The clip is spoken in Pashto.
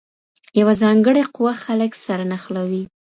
یوه ځانګړې قوه خلګ سره نښلوي.